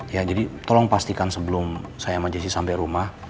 ya jadi tolong pastikan sebelum saya maju sampai rumah